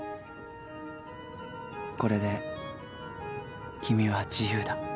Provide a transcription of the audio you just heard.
これで君は自由だ。